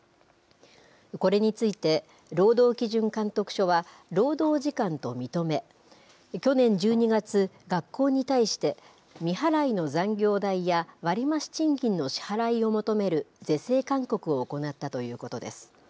これについて、労働基準監督署は労働時間と認め、去年１２月、学校に対して、未払いの残業代や割増賃金の支払いを求める是正勧告を行ったということです。